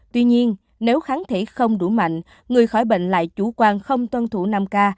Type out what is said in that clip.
tuy nhiên nếu kháng thể không đủ mạnh người khỏi bệnh lại chủ quan không tuân thủ năm k